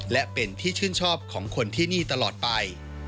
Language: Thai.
และเป็นที่ชื่นชอบของคนที่นี่ตลอดไป